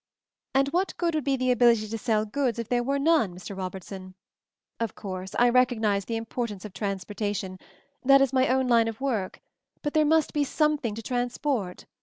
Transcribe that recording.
"And what good would be the ability to sell goods if there were none, Mr. Robert son. Of course, I recognize the importance MOVING THE MOUNTAIN 143 of transportation; that is my own line of work, but there must be something to trans port.